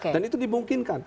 dan itu dimungkinkan